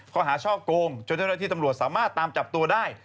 เขาหาช่อโกงจนให้ที่สำรวจสามารถตามจับตัวได้